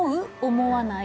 思わない？